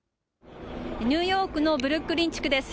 ニューヨークのブルックリン地区です。